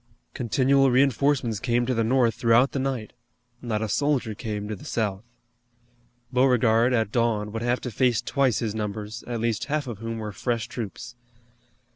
Continual reinforcements came to the North throughout the night, not a soldier came to the South. Beauregard, at dawn, would have to face twice his numbers, at least half of whom were fresh troops.